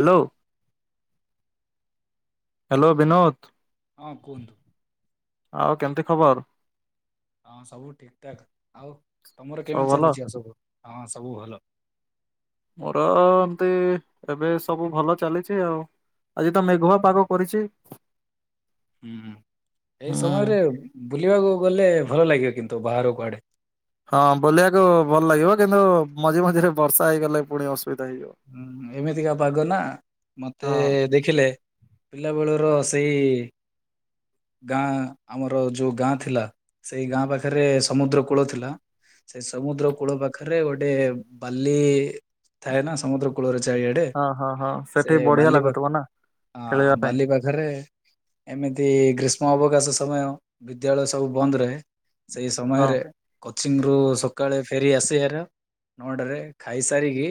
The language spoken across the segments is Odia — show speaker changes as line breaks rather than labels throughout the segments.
Hello hello Binod.
ହଁ କୁହନ୍ତୁ।
ଆଉ କେମିତି ଖବର?
ହଁ ସବୁ ଠିକଠାକ ଆଉ ତମର
ସବୁ
କେମିତି
ଭଲ?
ଚାଲିଛି ଆଉ ସବୁ ହଁ ସବୁ ଭଲ।
ମୋର ଏମିତି ଏବେ ସବୁ ଭଲ ଚାଲିଛି ଆଉ। ଆଜି ତ ମେଘୁଆ ପାଗ କରିଛି।
ହୁଁ ଏଇ
ହୁଁ।
ସମୟରେ ବୁଲିବାକୁ ଗଲେ ଭଲ ଲାଗିବ କିନ୍ତୁ ବାହାର କୁଆଡେ
ହଁ ବୁଲିବାକୁ ଭଲ ଲାଗିବ କିନ୍ତୁ ମଝି ମଝିରେ ବର୍ଷା ହେଇଗଲେ ପୁଣି ଅସୁବିଧା ହେଇଯିବ।
ହୁଁ ଏମିତିକା ପାଗ ନା
ହଁ
ମତେ ଦେଖିଲେ। ପିଲା ବେଳର ସେଇ ଗାଁ ଆମର ଯୋଉ ଗାଁ ଥିଲା ସେଇ ଗାଁ ପାଖରେ ସମୁଦ୍ର କୂଳ ଥିଲା। ସେ ସମୁଦ୍ର କୂଳ ପାଖରେ ଗୋଟେ ବାଲି ଥାଏ ନା ସମୁଦ୍ର କୂ କୂଳରେ ଚାରିଆଡେ
ହଁ ହଁ ହଁ
ସେ
ସେଠି ବଢିଆ
ବାଲିଖ
ଲାଗୁଥିବ ନା ଖେଳିବା ପାଇଁ
ବାଲି ପାଖ୍ ଘରେ ଏମିତି ଗ୍ରୀଷ୍ମ ଅବକାଶ ସମୟ ବିଦ୍ୟାଳୟ ସବୁ ବନ୍ଦ ରହେ। ସେଇ
ହଁ।
ସମୟରେ। କଚିଂଙ୍ଗ୍ ରୁୁ ସକାଳେ ଫେରି ଆସିବାର ନଅଟାରେ ଖାଇସାରିକି।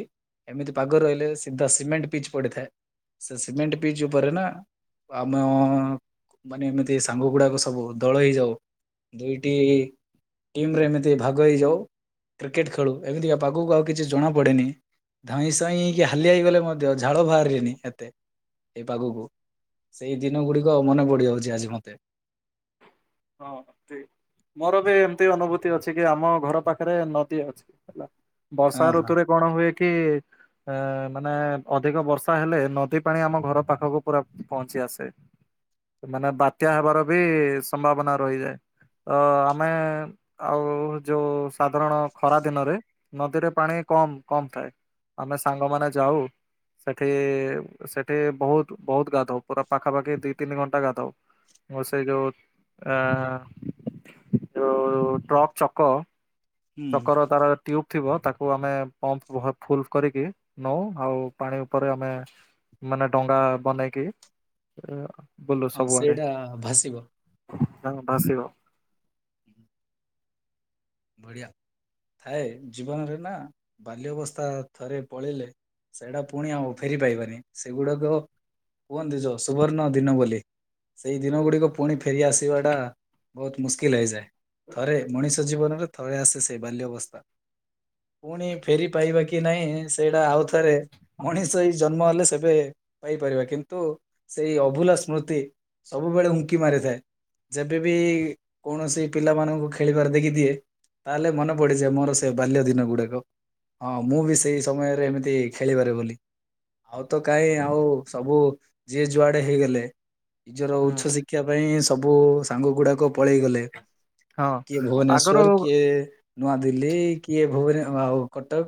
ଏମିତି ପାଗ ରହିଲେ ସିଧା ସିମେଣ୍ଟ ପିଚ୍ ପଡିଥାଏ, ସେ ସିମେଣ୍ଟ ପିଚ୍ ଉପରେ ନା ଆମ ମାନେ ଏମିତି ସାଙ୍ଗ ଗୁଡାକ ସବୁ ଦଳ ହେଇଯାଉ। ଦୁଇଠି। ଟିମ୍ ରେ ଏମିତି ଭାଗ ହେଇଯାଉ କ୍ରିକେଟ୍ ଖେଳୁ ଏମିତିକା ପାଗକୁ ଆଉ କିଛି ଜଣାପଡେନି। ଧଇଁ ସଇଁ ଇକି ହାଲିଆଇ ଗଲେ ମଧ୍ୟ ଝାଳ ବାହାରେନି ଏତେ। ଏଇ ପାଗକୁ ସେଇ ଦିନ ଗୁଡିକ ମନେ ପଡିଯାଉଛି ଆଜି ମତେ।
ହଁ ଠିକ୍। ମୋର ବି ଏମିତି ଅନୁଭୂତି ଅଛି କି ଆମ ଘର ପାଖରେ ନଦୀ ଅଛି ହେଲା। ବର୍ଷା
ହଁ ହଁ
ଋତୁରେ କଣ ହୁଏ କି ଏ ମାନେ ଅଧିକ ବର୍ଷା ହେଲେ ନଦୀ ପାଣି ଆମ ଘର ପାଖକୁ ପୁରା ପହଞ୍ଚି ଆସେ। ମାନେ ବାତ୍ୟା ହେବାର ବି ସମ୍ଭାବନା ରହିଯାଏ। ତ ଆମେ ଆଉ ଯୋଉଁ ସାଧାରଣ ଖରା ଦିନରେ। ନଦୀରେ ପାଣି କମ୍ କମ୍ ଥାଏ, ଆମେ ସାଙ୍ଗମାନେ ଯାଉ। ସେଠି ସେଠି ବହୁତ୍ ବହୁତ୍ ଗାଧଉ। ପୁରା ପାଖାପାଖି ଦି ତିନି ଘଣ୍ଟା ଗାଥାଉ ଓ ସେ ଯୋଉ ଅ ଯୋଉ ଟ୍ରକ୍ ଚକ
ହୁଁ
ଚକର ତାର ଟ୍ୟୁବ୍ ଥିବ ତାକୁ ଆମେ ପମ୍ପ୍ ଫୁଲ୍ କରିକି ନଉ ଆଉ ପାଣି ଉପରେ ଆମେ। ମାନେ ଡଙ୍ଗା ବନେଇକି ବୁଲୁ
ହଁ
ସବୁଆଡେ।
ସେଇଟା ଭାସିବ।
ହ ଭାସିବ।
ବଢିଆ ଥାଏ ଜୀବନରେ ନା ବାଲ୍ୟ ଅବସ୍ଥା ଥରେ ପଳେଇଲେ। ସେଇଡା ପୁଣି ଆଉ ଫେରି ପାଇବାନି ସେଗୁଡାକ କୁହନ୍ତି ଯ ସୁବର୍ଣ୍ଣ ଦିନ ବୋଲି। ସେଇ ଦିନ ଗୁଡିକ ପୁଣି ଫେରିଆସିବାଟା ବହୁତ୍ ମୁସ୍କିଲ୍ ହେଇଯାଏ। ଥରେ ମଣିଷ ଜୀବନରେ ଥରେ ଆସେ ସେ ବାଲ୍ୟ ଅବସ୍ଥା। ପୁଣି ଫେରି ପାଇବା କି ନାହିଁ ସେଇଟା ଆଉ ଥରେ ମଣିଷ ହେଇ ଜନ୍ମ ହେଲେ ସେବେ ପାଇପାରିବା କିନ୍ତୁ ସେଇ ଅଭୁଲା ସ୍ମୃତି ସବୁବେଳେ ଉଙ୍କି ମାରିଥାଏ। ଯେବେବି କୌଣସି ପିଲାମାନଙ୍କୁ ଖେଳିବାର ଦେଖିଥିଏ। ତାହେଲେ ମନେ ପଡିଯାଏ ମୋର ସେ ବାଲ୍ୟ ଦିନ ଗୁଡାକ। ହଁ ମୁଁ ବି ସେଇ ସମୟରେ ଏମିତି ଖେଳିପାରେ ବୋଲି। ଆଉ ତ କାହିଁ ଆଉ ସବୁ ଯିଏ ଯୁଆଡେ ହେଇଗଲେ। ନିଜର
ହୁଁ।
ଉଚ୍ଚ ଶିକ୍ଷା ପାଇଁ ସବୁ ସାଙ୍ଗଗୁଡାକ ପଳେଇ ଗଲେ।
ହଁ
କିଏ
ଆଗରୁ
ଭୁବନେଶ୍ଵର୍ କିଏ ନୂଆଦିଲ୍ଲୀ କିଏ ଭୁବନ୍ ଆଉ କଟକ।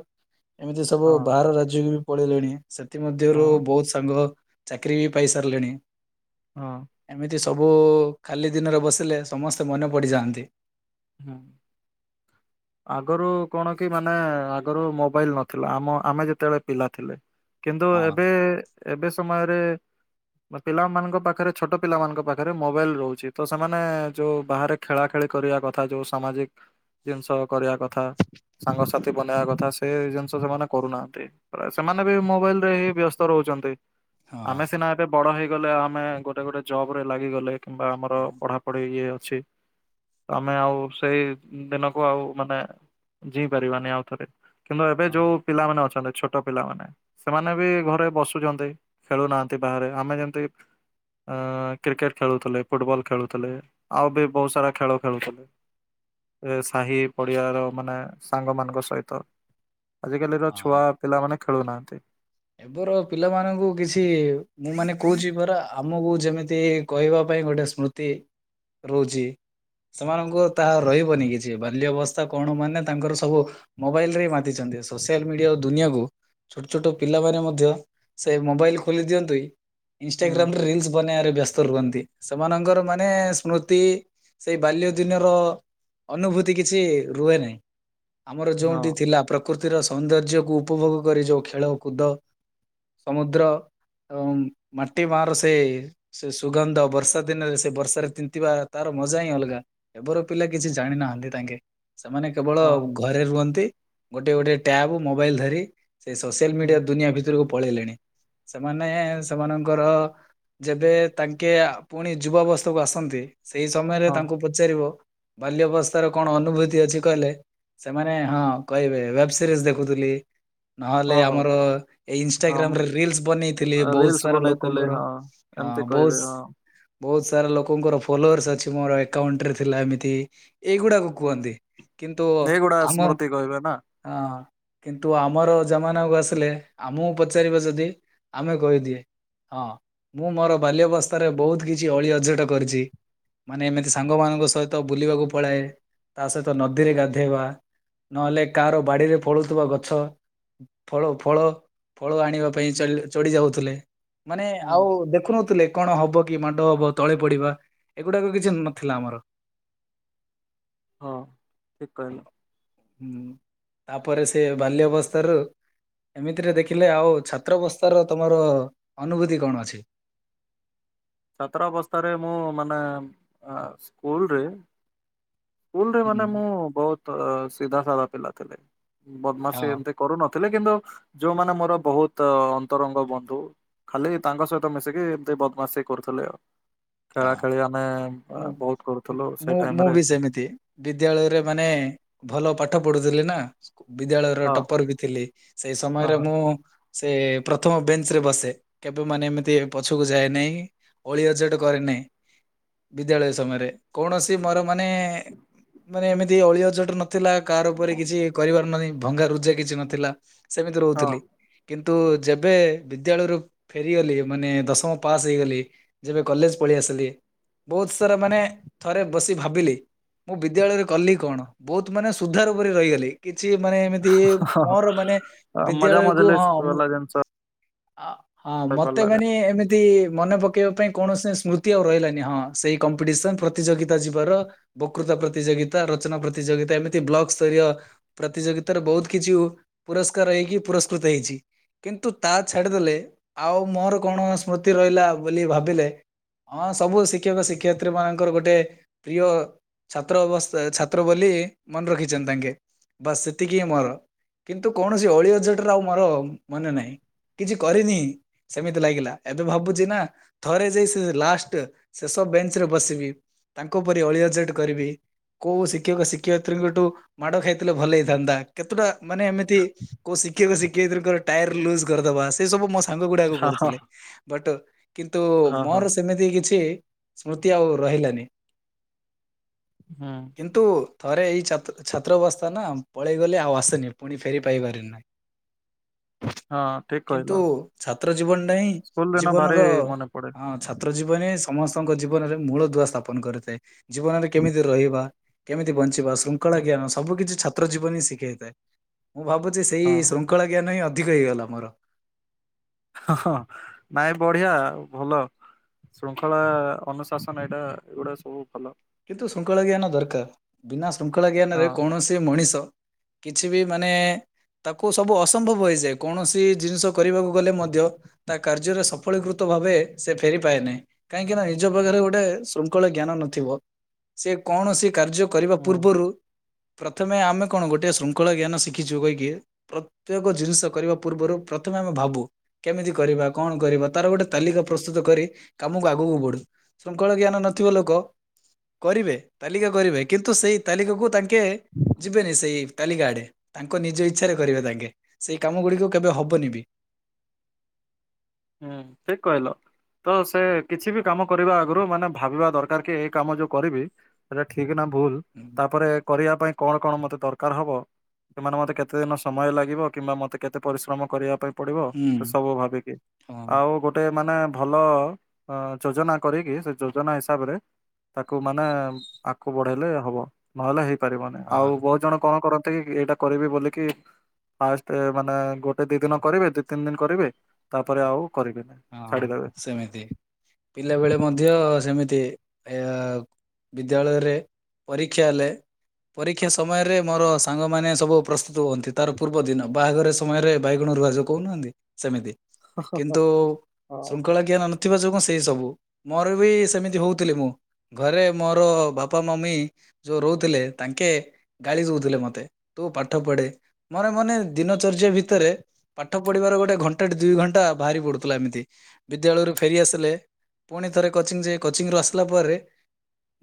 ଏମିତି
ହଁ
ସବୁ ବାହାର ରାଜ୍ୟକୁ ବି ପଳେଇଲେଣି ସେଥିମଧ୍ୟରୁ
ହଁ
ବହୁତ୍ ସାଙ୍ଗ। ଚାକିରିବି ପାଇସାରିଲେଣି।
ହଁ।
ଏମିତି ସବୁ ଖାଲି ଦିନରେ ବସିଲେ ସମସ୍ତେ ମନେ ପଡିଯାଆନ୍ତି।
ହଁ। ଆଗରୁ କଣ କି ମାନେ ଆଗରୁ ମୋବାଇଲ ନଥିଲା ଆମ ଆମେ ଯେତେବେଳେ ପିଲା ଥିଲେ। କିନ୍ତୁ
ହଁ।
ଏବେ ଏବେ ସମୟରେ ପିଲାମାନଙ୍କ ପାଖରେ ଛୋଟ ପିଲାମାନଙ୍କ ପାଖରେ ମୋବାଇଲ ରହୁଛି ତ ସେମାନେ ଯୋଉ ବାହାରେ ଖେଳାଖେଳି କରିବା କ ଥା ଯୋଉ ସାମାଜିକ ଜିନିଷ କରିବା କଥା। ସାଙ୍ଗସାଥି ବନେଇବା କଥା ସେ ଜିନିଷ ସେମାନେ କରୁନାହାନ୍ତି। ପ ସେମାନେବି ମୋବାଇଲରେ ହିଁ ବ୍ୟସ୍ତ ରହୁଛନ୍ତି।
ହଁ।
ଆମେ ସିନା ଏବେ ବଡ ହେଇଗଲେ ଆମେ ଗୋଟେ ଗୋଟେ ଜବରେ ଲାଗିଗଲେ। କିମ୍ବା ଆମର
ହଁ
ପଢ଼ାପଢ଼ି ଇଏ ଅଛି। ଆମେ ଆଉ ସେଇ ଦିନକୁ ଆଉ ମାନେ ଜିଇ ପାରିବାନି ଆଉଥରେ। କିନ୍ତୁ ଏବେ ଯୋଉ ପିଲାମାନେ ଅଛନ୍ତି ଛୋ ଟ ପିଲାମାନେ ସେମାନେବି ଘରେ ବସୁଛନ୍ତି ଖେଳୁନାହାନ୍ତି ବାହାରେ ଆମେ ଯେମତି ଅ କ୍ରିକେଟ ଖେଳୁଥିଲେ ଫୁଟବଲ୍ ଖେଳୁଥିଲେ ଆଉ ବି ବହୁତ ସାରା ଖେଳ ଖେଳୁଥିଲେ ସାହି ପଡିଆର ମାନେ ସାଙ୍ଗମାନଙ୍କ ସହିତ ଆଜିକାଲିର ଛୁଆ
ହଁ।
ପିଲାମାନେ ଖେଳୁନାହାନ୍ତି।
ଏବେର ପିଲାମାନଙ୍କୁ କିଛି ମୁଁ ମାନେ କହୁଛି ପରା ଆମକୁ ଯେମିତି କହିବା ପାଇଁ ଗୋଟେ ସ୍ମୃ ତି ରହୁଛି। ସେମାନଙ୍କୁ ତାହା ରହିବନି କିଛି ବାଲ୍ୟ ଅବସ୍ଥା କଣମାନେ ତାଙ୍କର ସବୁ ମୋବାଇଲରେ ମାତିଛନ୍ତି ସୋସିଆଲ ମିଡିଆ ଓ ଦୁନିଆକୁ ଛୋଟ ଛୋଟ ପିଲାମାନେ ମଧ୍ୟ ସେ ମୋବାଇଲ ଖୋଲି ଦିଅନ୍ତି
ହୁଁ
ଇନଷ୍ଟାଗ୍ରାମରେ ରିଲ୍ସ ବନେଇବାରେ ବ୍ୟସ୍ତ ସ୍ତ ରୁହନ୍ତି ସେମାନଙ୍କର ମାନେ ସ୍ମୃତି ସେଇ ବାଲ୍ୟ ଦିନର ଅନୁଭୂତି କିଛି ରୁହେନି। ଆମର
ହଁ
ଯଉଁଠି ଥିଲା ପ୍ରକୃତିର ସୌନ୍ଦର୍ଯ୍ୟକୁ ଉପଭୋଗ କରି ଯେଉଁ ଖେଳ କୁଦ ସମୁଦ୍ର ଏବଂ ମାଟି ମାର ସେ ସେ ସୁଗନ୍ଧ ବର୍ଷା ଦିନରେ ସେ ବର୍ଷାରେ ତିନ୍ତିବା ତାର ମଜା ହିଁ ଅଲଗା। ଏବର ପିଲା କିଛି ଜାଣି ନାହାନ୍ତି ତାଙ୍କେ ସେମାନେ କେବଳ
ହଁ
ଘରେ ରୁହନ୍ତି ଗୋଟେ-ଗୋଟେ ଟ୍ୟାବ ମୋବାଇଲ ଧରି ସେ ସସ୍ ଟେଲ
ହୁଁ
ମିଡିଆ ଦୁନିଆ ଭିତରକୁ ପଳେଇଲେଣି ସେମାନେ ସେମାନଙ୍କର ଯେବେ ତାଙ୍କେ ପୁଣି ଯୁବାବସ୍ଥାକୁ ଆସନ୍ତି ସେଇ ସମୟରେ
ହଁ
ତାଙ୍କୁ ପୁତ୍ ପଚାରିବ ବାଲ୍ୟ ଅବସ୍ଥାର କଣ ଅନୁଭୂତି ଅଛି କହିଲେ ସେମାନେ ହଁ କହିବେ ବେବ୍ ସିରିଜ୍ ଦେଖୁଥିଲି ନ ହେଲେ
ହଁ
ଆଉ
ହଁ।
ଆମର ଏ ଇଷ୍ଟାଗ୍ରାମ ରେ
ହଁ
ରିଲସ ବନେଇଥିଲି ବହୁତ
ରିଲ୍ସ
ସାରା
ବନେଇଥିଲେ
ଲୋକଙ୍କର।
ହଁ
ହଁ
ଏମିତି
ବହୁତ
କହିବେ ହଁ।
ବହୁତ ସାରା ଲୋକଙ୍କର ଫଲୋର୍ସ ଅଛି ମୋର ଏକାଉଣ୍ଟ ରେ ଥିଲା ଏମିତି ଏଇଗୁଡାକ
ହୁଁ
କୁହନ୍ତି କିନ୍ତୁ
ଏଇଗୁଡା
ଆମ ହଁ
ସ୍ମୃତି କହିବେ ନା
କିନ୍ତୁ ଆମର ଜମାନା ଉ ଆସ୍ ଥିଲେ ଆମକୁ ପଚାରିବ ଯଦି ଆମେ କହିଦିଏ। ହଁ ମୁଁ ମୋର ବାଲ୍ୟବସ୍ଥାରେ ବହୁତ କିଛି ଅଳି ଅଝଟ କରିଛି। ମାନେ ଏମିତି ସାଙ୍ଗମାନଙ୍କ ସହିତ ବୁଲିବାକୁ ପଳାଏ ତା ସହିତ ନଦୀରେ ଗାଧେଇବା ନହେଲେ କାହାର ବାଡ଼ିରେ ଫଳୁଥିବା ଗଛ। ଫଳ ଫଳ ଫଳ ଆଣିବା ପାଇଁ ଚଲ୍ ଚଢ଼ି ଯାଉଥିଲେ ମାନେ
ହୁଁ।
ଆଉ ଦେଖୁନଥିଲେ। କଣ ହବ କି ମାଡ ହବ ତଳେ ପଡିବା ଏଗୁଡାକ କିଛି ନଥିଲା ଆମର।
ହଁ ଠିକ୍ କହିଲ।
ହୁଁ ତାପରେ ସେ ବାଲ୍ୟ ଅବସ୍ଥା ରୁ ଏମିତିରେ ଦେଖିଲେ ଆଉ ଛାତ୍ରବସ୍ଥାର ତମର ଅନୁଭୂତି କଣ ଅଛି?
ଛାତ୍ର ଅବସ୍ଥାରେ ମୁଁ ମାନେ ଆ ସ୍କୁଲରେ ସ୍କୁଲରେ ମାନେ
ହୁଁ
ମୁଁ ବହୁତ ଅ ସିଧାସଧା ପିଲା ଥିଲି
ହଁ
ବଦ୍ମାସୀ ଏମିତି, କରୁନଥିଲେ କିନ୍ତୁ ଯୋଉମାନେ ମୋର ବହୁତ ଅନ୍ତରଙ୍ଗ ବନ୍ଧୁ, ଖାଲି ତାଙ୍କ ସହିତ ମିଶିକି ଏତେ ବଦମାସି କରୁଥିଲି ଆଉ, ଖେଳା
ହଁ
ଖେଳି ଆମେ ଆ ବହୁତ କରୁଥିଲୁ ସେଇ ଟାଇମ୍ ରେ,
ଦେମିତି, ବିଦ୍ୟାଳୟରେ ମାନେ ଭଲ ପାଠ ପଢ଼ୁଥିଲି ନା, ବିଦ୍ୟାଳୟର
ହଁ
ଟପର ବି ଥିଲି ସେଇ
ହଁ
ସମୟରେ
ହଁ।
ମୁଁ, ସେ ପ୍ରଥମ ବେଞ୍ଚ ରେ ବସେ କେବେ ମାନେ ଏମିତି ପଛକୁ ଯାଏ ନାହିଁ ଓଳି ଅଝଟ, କରେ ନାହିଁ ବିଦ୍ୟାଳୟ ସମୟରେ କୌଣସି ମୋର ମାନେ, ମାନେ ଏମିତି ଅଳି ଅଝଟ ନଥିଲା କାର ଉପରେ କିଛି କରିିବାର ନାହିଁ ଭଙ୍ଗା ରୁଜା କିଛି ନଥିଲା, ସେମିତି ରହୁଥିଲି, କିନ୍ତୁ ଯେବେ ବିଦ୍ୟାଳୟରୁ ଫେରିଗଲି ମାନେ ଦଶମ ପାସ୍ ହୋଇଗଲି, କଲେଜ ପଳେଇ ଆସିଲି ବହୁତ ସାରା ମାନେ ଥରେ ବସି ଭାବିଲି, ମୁଁ ବିଦ୍ୟାଳୟରେ କଲି କଣ ବହୁତ ମାନେ ସୁଧାର ଉପରେ ରହିଗଲି, କିଛି ମାନେ ଏମିତି ମୋର ମାନେ
ହଁ ମଜା
ବିଦ୍ୟାଳୟକୁ
ମଜଲିସ୍
ହଁ ମୁଁ,
ବାଲା ଜିନିଷ
ଅ ହଁ ମତେ
ହେଇପାରିଲାନି
ମାନେ ଏମିତି ମନେ ପକେଇବା ପାଇଁ, କୌଣସି ସ୍ମୃତି ଆଉ ରହିଲାନି ହଁ ସେଇ କମ୍ପିଟିସନ ପ୍ରତିଯୋଗିତା ଯିବାର, ବକୃତା ପ୍ରତିଯୋଗିତା ରଚନା ପ୍ରତିଯୋଗିତା ଏମିତି ବ୍ଲକ ସ୍ତରୀୟ, ପ୍ରତିଯୋଗିତାରେ ବହୁତ କିଛି ଉ ପୁରସ୍କାର ହେଇକି ପୁରସ୍କୃତ ହେଇଛି, କିନ୍ତୁ ତା ଛାଡ଼ିଦେଲେ ଆଉ ମୋର କଣ ସ୍ମୃତି ରହିଲା ବୋଲି ଭାବିଲେ, ହଁ ସବୁ ଶିକ୍ଷକ ଶିକ୍ଷୟତ୍ରୀ ମାନଙ୍କର ଗୋଟେ ପ୍ରିୟ, ଛାତ୍ର ଅବସ୍ ଏ ଛାତ୍ର ବୋଲି ମନେ ରଖିଛନ୍ତି ତାଙ୍କେ ବାସ୍ ସେତିକି ମୋର କିନ୍ତୁ କୌଣସି ଅଳି ଅଜଟର ଆଉ ମୋର ମନେ ନାହିଁ, କିଛି କରିନି ସେମିତି ଲାଗିଲା ଏବେ ଭାବୁଛି ନା ଥରେ ଜିସ୍ ଲାଷ୍ଟ ଶେଷ ବେଞ୍ଚ ରେ ବସିକି ତାଙ୍କ ପରି ଅଳି ଅଜଟ୍ କରିବି, କୋଉ ଶିକ୍ଷକ ଶିକ୍ଷୟତ୍ରୀଙ୍କଠୁ ମାଡ ଖାଇଥିଲେ ଭଲ ହେଇଥାନ୍ତା କେତେଟା ମାନେ ଏମିତି, କୋ ଶିକ୍ଷକ ଶିକ୍ଷୟିତ୍ରୀଙ୍କ ର ଟାୟାର ଲୁଜ୍ କରିଦବା ସେ ସବୁ ମସ୍ ସାଙ୍ଗ ଗୁଡା଼କୁ
ହଁ ହଁ
କରୁଥିଲେ ବଟ୍ କିନ୍ତୁ,
ହଁ ହଁ।
ମୋର ସେମିତି କିଛି ସ୍ମୃତି ଆଉ ରହିଲାନି
ହୁଁ
କିନ୍ତୁ ଥରେ ଏଇ ଛାତ୍ର ଛାତ୍ର ଅବସ୍ଥା ନା ପଳେଇଗଲେ ଆଉ ଆସେନି ପୁଣି ଫେରି ପାଇପାରେ ନାହିଁ।
[inaudible] ହଁ ଠିକ କହିଲ
କିନ୍ତୁ ଛାତ୍ର ଜୀବନଟା ହିଁ
ସ୍କୁଲ ଦିନ ଭାରି
ଜୀବନର
ମନେ ପଡେ
ହଁ ଛାତ୍ର ଜୀବନେ ସମସ୍ତଙ୍କ ଜୀବନରେ ମୂଳ ଦୁଆ ସ୍ଥାପନ କରିଥାଏ। ଜୀବନରେ କେମିତି ରହିବା କେମିତି ବଞ୍ଚିବା ଶୃଙ୍ଖଳା ଜ୍ଞାନ ସବୁ କିିଛି ଛାତ୍ର ଜୀବନ ହିଁ ଶିଖେଇଥାଏ ମୁଁ ଭାବୁଛି ସେଇ
ହଁ।
ଶୃଙ୍ଖଳା ଜ୍ଞାନ ହିଁ ଅଧିକ ହେଇଗଲା ମୋର।
ହ ହଁ ନାଇଁ ବଢିଆ ଆଉ ଭଲ। ଶୃଙ୍ଖଳା ଅନୁଶାସନ ଏଇଟା ଏଗୁଡା ସବୁ ଭଲ।
କିନ୍ତୁ ଶୃଙ୍ଖଳା ଜ୍ଞାନ ଦରକାର ବିନା ଶୃଙ୍ଖଳା
ହଁ।
ଜ୍ଞାନରେ କୌଣସି ମଣିଷ କିଛି ବି ମାନେ ତାକୁ ସବୁ ଅସମ୍ଭବ ହେଇଯାଏ କୌଣସି ଜିନିଷ କରିବାକୁ ଗଲେ ମଧ୍ୟ ତା କାର୍ଯ୍ୟରେ ସଫଳୀକୃତ ଭାବେ ସେ ଫେରି ପାଏ ନାହିଁ। କାହିଁକି ନା ନିଜ ପାଖରେ ଗୋଟେ ଶୃଙ୍ଖଳ ଜ୍ଞାନ ନଥିବ। ସେ କୌଣସି କାର୍ଯ୍ୟ କରିବା
ହୁଁ
ପୂର୍ବରୁ ପ୍ରଥମେ ଆମେ କଣ ଗୋଟେ ଶୃଙ୍ଖଳା ଜ୍ଞାନ ଶିଖିଛୁ କହିକି ପ୍ରତ୍ୟେକ ଜିନିଷ କରିବା ପୂର୍ବରୁ ପ୍ରଥମେ ଆମେ ଭାବୁ କେମିତି କରିବା, କଣ କରିବା ତାର ଗୋଟେ ତାଲିକା ପ୍ରସ୍ତୁତ କରି କାମକୁ ଆଗକୁ ବଢୁ। ଶୃଙ୍ଖଳ ଜ୍ଞାନ ନଥିବ ଲୋକ କରିବେ ତାଲିକା କରିବେ କିନ୍ତୁ ସେଇ ତାଲିକାକୁ ତାଙ୍କେ ଯିବେନି ସେଇ ତାଲିକା ଆଡ଼େ ତାଙ୍କ ନିଜ ଇଚ୍ଛାରେ କରିବେ ତାଙ୍କେ ସେଇ କାମ ଗୁଡ଼ିକ କେବେ ହବନି ବି।
ହୁଁ ଠିକ୍ କହିଲ। ତ ସେ କିଛି ବି କାମ କରିବା ଆଗରୁ ମାନେ ଭାବିବା ଦରକାର କି ଏଇ କାମ ଯୋଉ କରିବି ହେଟା ଠିକ୍ ନା ଭୁଲ।
ହୁଁ।
ତାପରେ କରିବା ପାଇଁ କଣ କଣ ମତେ ଦରକାର ହବ? ସେମାନେ ମୋତେ କେତେଦିନ ସମୟ ଲାଗିବ କିମ୍ବା ମୋତେ କେତେ ପରିଶ୍ରମ କରିବା ପାଇଁ ପଡିବ ସେ
ହୁଁ
ସବୁ ଭାବିକି
ହଁ
ଆଉ ଗୋ ଟେ ମାନେ ଭଲ ଅ ଯୋଜନା କରିକି ସେ ଯୋଜନା ହିସାବରେ ତାକୁ ମାନେ ଆଗକୁ ବଢେଇଲେ ହବ। ନହେଲେ ହେଇପାରିବନି ଆଉ
ହଁ
ବହୁତ ଜଣ କଣ କରନ୍ତି କି ଏଇଟା କରିବି ବୋଲିକି ଫାଷ୍ଟ ମାନେ ଗୋଟେ ଦି ଦିନ କରିବେ ଦି ତିନି ଦିନ କରିବେ ପରେ ଆଉ କରିବେ ନା।
ହଁ ହଁ ସେମିତି ପିଲାବେଳେ ମଧ୍ୟ ସେମିତି ଏ ବିଦ୍ୟାଳୟରେ ପରୀକ୍ଷା ହେଲେ ପରୀକ୍ଷା ସମୟରେ ମୋର ସାଙ୍ଗମାନେ ସବୁ ପ୍ରସ୍ତୁତ ହୁଅନ୍ତି ତାର ପୂର୍ବ ଦିନ ବାହାଘର ସମୟରେ ବାଇଗଣ ରୁଆ ଯୋଉ କହୁନାହାନ୍ତି ସେମିତି।
ହ, ହ, ହ।
କିନ୍ତୁ ଶୃଙ୍ଖଳା ଜ୍ଞାନ ନଥିବା ଯୋଗୁଁ ସେଇ ସବୁ ମୋର ବି ସେମିତି ହଉଥିଲି ମୁଁ। ଘରେ ମୋର ବାପା ମମି ଯୋଉ ରହୁଥିଲେ ତାଙ୍କେ ଗାଳି ଯଉଥିଲେ ମତେ ତୁ ପାଠ ପଢେ। ମୋର ମାନେ ଦିନ ଚର୍ଯ୍ୟା ଭିତରେ ପାଠ ପଢିବାର ଗୋଟେ ଘଣ୍ଟା ଦିଇ ଘଣ୍ଟା ବାହାରି ପଡୁ ଥିଲା ଏମିତି ବିଦ୍ୟାଳୟରୁ ଫେରିଆସିଲେ ପୁଣି ଥରେ କୋଚିଂ ଯିବି କୋଚିଂ ରୁ ଆସିଲା ପରେ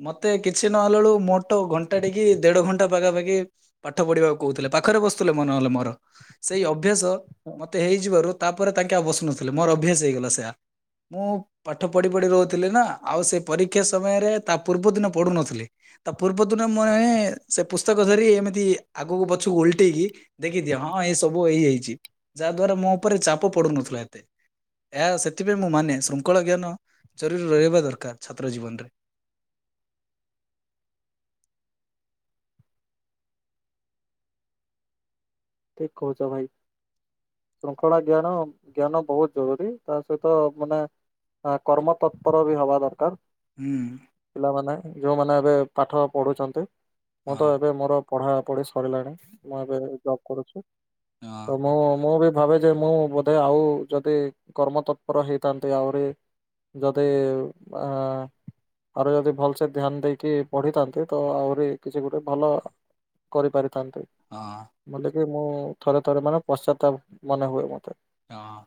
ମତେ କିଛି ନହେଲା ବେଳକୁ ମୋଟ ଘଣ୍ଟା ଟେକି ଦେଢ ଘଣ୍ଟା ପାଖାପାଖି ପାଠ ପଢିବାକୁ କହୁଥିଲେ ପାଖରେ ବସୁଥିଲେ ମ ନେହେଲେ ମୋର। ସେଇ ଅଭ୍ୟାସ
ହଁ
ମତେ ହେଇଯିବାରୁ ତାପରେ ତାଙ୍କେ ଆଉ ବସୁନଥିଲେ ମୋର ଅଭ୍ୟାସ ହେଇଗଲା ସେୟା। ମୁଁ ପାଠ ପଢି ପଢି ରହୁଥିଲି ନା ଆଉ ସେ ପରୀକ୍ଷା ସମୟରେ ତା ପୂର୍ବ ଦିନ ପଢୁନଥିଲି। ତା ପୂର୍ବ ଦିନ ମୁଁ ଏଁ ସେ ପୁସ୍ତକ ଧରି ଏମିତି ଆଗକୁ ପଛକୁ ଓଲ୍ଟେଇକି ଦେଖିଦିଅ ହଁ ଏ ସବୁ ହେଇ ଯାଇଛି ଯାହା ଦ୍ଵାରା ମୋ ଉପରେ ଚାପ ପଡୁନଥିଲା ଏତେ। ଏହା ସେଥିପାଇଁ ମୁଁ ମାନେ ଶୃଙ୍ଖଳ ଜ୍ଞାନ ଜରୁରୀ ରହିବା ଦରକାର ଛାତ୍ର ଜୀବନ ରେ।
ଠିକ୍ କହୁଛ ଭାଇ। ଶୃଙ୍ଖଳା ଜ୍ଞାନ ଜ୍ଞାନ ବହୁତ ଜରୁରୀ ତା ସହିତ ମାନେ କର୍ମ ତତ୍ପର ବି ହବା ଦରକାର।
ହୁଁ।
ପିଲାମାନେ ଯୋଉମାନେ ଏବେ ପାଠ ପଢୁଛନ୍ତି ମୁଁ
ହଁ।
ତ ଏବେ ମୋର ପଢ଼ା ପଢ଼ି ସରିଲାଣି ମୁଁ ଏବେ ଜବ୍ କରୁଛି
ହଁ
ତ ମୁଁ ମୁଁ ଏବେ ଭାବୁଛି ମୁଁ ବୋଧେ ଆଉ ଯଦି କର୍ମ ତତ୍ପର ହେଇଥାନ୍ତି ଆହୁରି ଯଦି ଆଁ ଆହୁରି ଯଦି ଭଲସେ ଧ୍ୟାନ ଦେଇକି ପଢିଥାନ୍ତି ତ ଆହୁରି କିଛି ଗୋଟେ ଭଲ କରିପାରିଥାନ୍ତି।
ହଁ।
ବୋଲେ କି ମୁଁ ଥରେ ଥରେ ମାନେ ପଶ୍ଚ ମନେ ହୁଏ ମତେ
ହଁ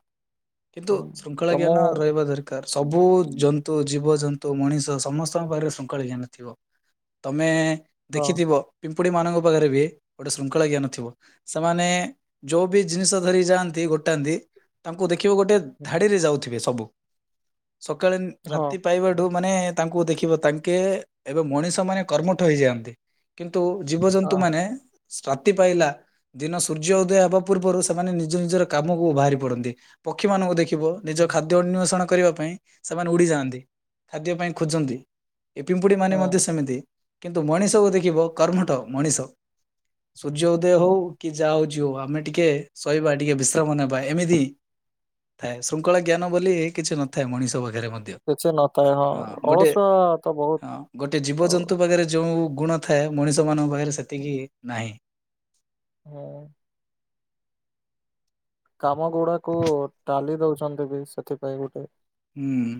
କିନ୍ତୁ
ହୁଁ
ଶୃଙ୍ଖଳା
ତ ମୁଁ
ଜ୍ଞାନ ରହିବା ଧର ସବୁ ଜନ୍ତୁ ଜୀବଜନ୍ତୁ ମଣିଷ ସମସ୍ତଙ୍କ ପାଖରେ ଶଙ୍ଖଳ ଜ୍ଞାନ ଥିବ। ତମେ
ହଁ
ଦେଖିଥିବ ପିମ୍ପୁଡି ମାନଙ୍କ ପାଖରେ ବି ଗୋଟେ ଶୃଙ୍ଖଳା ଜ୍ଞାନ ଥିବ। ସେମାନେ ଯୋଉ ବି ଜିନିଷ ଧରି ଯାଆନ୍ତି ଗୋଟେ। ତାନ୍ତି ତାଙ୍କୁ ଦେଖିବ ଗୋଟେ ଧାଡିରେ ଯାଉଥିବେ ସବୁ ସକାଳେ
ହଁ
ରାତି ପାଇବାଠୁ ମାନେ ତାଙ୍କୁ ଦେଖିବ ତାଙ୍କେ ଏବେ ମଣିଷ ମାନେ କର୍ମଠ ହେଇଯାଆନ୍ତି। କିନ୍ତୁ
ହଁ।
ଜୀବଜନ୍ତୁମାନୋନ। ସ୍ତି ପାଇଲା ଦିନ ସୂର୍ଯ୍ୟ ଉଦୟ ହେବା ପୂର୍ବରୁ ସେମାନେ ନିଜ ନିଜର। କାମକୁ ବାହାରି ପଡନ୍ତି ପକ୍ଷୀ ମାନଙ୍କୁ ଦେଖିବ ନିଜ ଖାଦ୍ୟ ଅନ୍ିବେଷଣ କରିବା ପାଇଁ ସେମାନେ ଉଡିଯାଆନ୍ତି ଖାଦ୍ୟ ପାଇଁ ଖୋଜନ୍ତି ଏ ପିମ୍ପୁଡି ମାନେ
ହୁଁ
ମଧ୍ୟ ସେମିତି। କିନ୍ତୁ ମଣିଷକୁ ଦେଖିବ କର୍ମଟ ମଣିଷ ସୂର୍ଯ୍ୟ ଉଦୟ
ହୁଁ
ହଉ। କି ଯା ହଉ ଯଉ ଆମେ ଟିକେ ଶହିବା ଟିକେ ବିେଶ ନେବା ଏମିତି ଥାଏ ଶୃଙ୍ଖଳା ଜ୍ଞାନ ବୋଲି କିଛି ନଥାଏ ମଣିଷ ପାଖରେ ମଧ୍ୟ ହଁ
କିଛି ନଥାଏ ହଁ
ଗୋଟେ
ଅଳସୁଆ ତ ବହୁତ
ହଁ ଗୋଟେ
ଆଉ
ଜୀବଜନ୍ତୁ ପାଖରେ ଯୋଉ ଗୁଣ ଥାଏ ମଣିଷ ମାନଙ୍କ ପାଖରେ ସେତିକି ନାହିଁ।
ହଁ। କାମ ଗୁଡାକୁ ଟଡାଲି ଦଉଛନ୍ତି ବି ସେଥିପାଇଁ ଗୋଟେ।
ହୁଁ।